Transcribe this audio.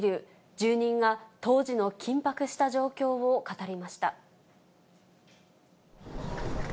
住人が当時の緊迫した状況を語りました。